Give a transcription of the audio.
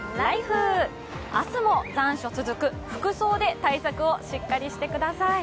明日も残暑続く、服装で対策をしっかりしてください。